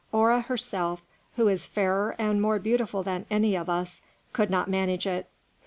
"Hora herself, who is fairer and more beautiful than any of us, could not manage it.